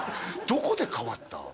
どこで変わった？